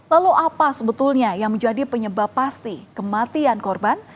lalu apa sebetulnya yang menjadi penyebab pasti kematian korban